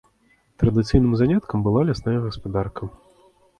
Традыцыйным заняткам была лясная гаспадарка.